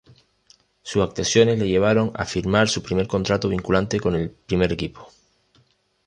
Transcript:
Sus actuaciones le llevaron a firmar su primer contrato vinculante con el primer equipo.